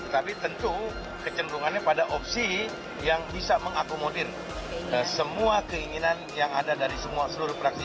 tapi tentu kecenderungannya pada opsi yang bisa mengakomodir semua keinginan yang ada dari seluruh praksi